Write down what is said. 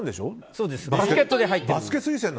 そう、バスケットで入ってる。